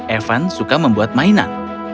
evan suka membuat mainan